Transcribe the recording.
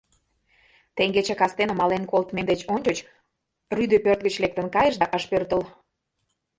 Теҥгече кастене мален колтымем деч ончыч рудо пӧрт гыч лектын кайыш да ыш пӧртыл.